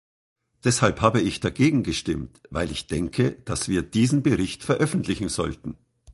Deshalb habe ich dagegen gestimmt, weil ich denke, dass wir diesen Bericht veröffentlichen sollten.